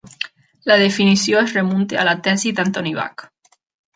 La definició es remunta a la tesi d'Anthony Bak.